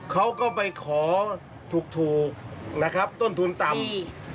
เขาก็ไปขอถูกนะครับต้นทุนต่ำ